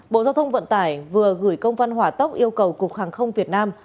bộ giao thông vận tải vừa gửi công văn hỏa tốc yêu cầu cục hàng không việt nam